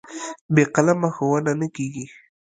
بې قلمه ښوونه نه کېږي.